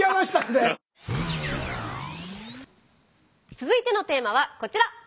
続いてのテーマはこちら。